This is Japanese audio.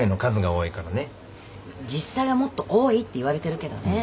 実際はもっと多いっていわれてるけどね。